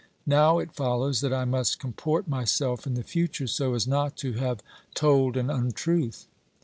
Now, it follows that I must comport myself in the future so as not to have told an untruth.